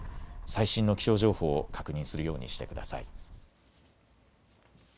最新の気象情報を確認するようにしてください。